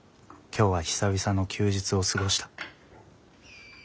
今日は久々の休日を過ごした。